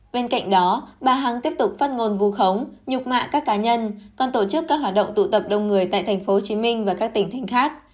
bên cạnh đó bà hằng tiếp tục phát ngôn vu khống nhục mạ các cá nhân còn tổ chức các hoạt động tụ tập đông người tại tp hcm và các tỉnh thành khác